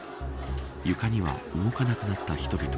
床には、動かなくなった人々。